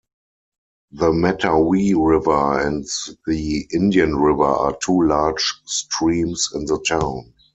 The Mettawee River and the Indian River are two large streams in the town.